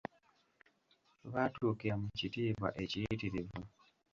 Baatuukira mu kitiibwa ekiyitirivu.